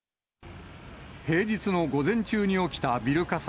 平日の午前中に起きたビル火災。